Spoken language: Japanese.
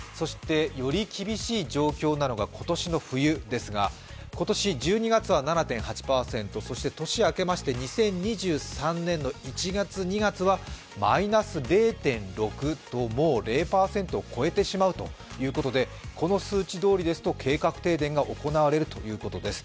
より厳しい状況なのが今年の冬ですが今年１２月は７．８％、そして年明けまして２０２３年の１月、２月はマイナス０．６と、もう０％を超えてしまうということでこの数値どおりですと計画停電が行われるということです。